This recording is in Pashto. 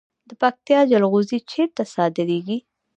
د پکتیا جلغوزي چیرته صادریږي؟